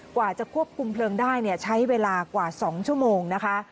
กว่าจะควบคุมเพลิงได้ใช้เวลากว่า๒ชั่วโมงนะคะ